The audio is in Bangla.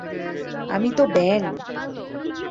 আমি তো ব্যাঙ!